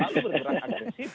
selalu bergerak agresif